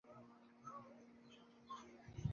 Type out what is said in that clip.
kuhubiri ufufuko wa Bwana Yesu na hatimaye kugusa watu